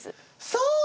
そう！